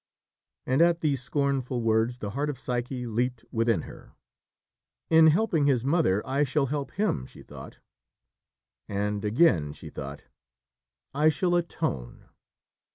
And at these scornful words, the heart of Psyche leaped within her. "In helping his mother, I shall help him!" she thought. And again she thought, "I shall atone."